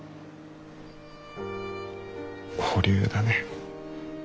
保留だね。